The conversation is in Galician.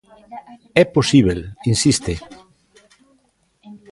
É posíbel, insiste.